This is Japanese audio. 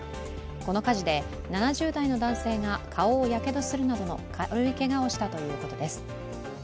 この火事で、７０代の男性が顔をやけどするなどの軽いけがをしたということです。